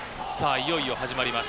いよいよ始まります